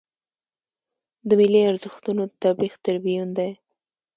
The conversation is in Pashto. د ملي ارزښتونو د تبلیغ تربیون دی.